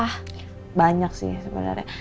wah banyak sih sebenarnya